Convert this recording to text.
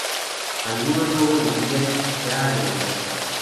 Algunos no volverían ya a levantarse.